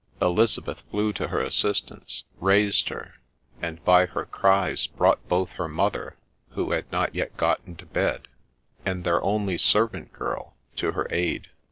Elizabeth flew to her assistance, raised her, and by her cries brought both her mother, who had not yet got into bed, and their only servant girl, to her aid.